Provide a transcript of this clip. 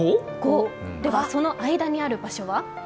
では、その間にある場所は？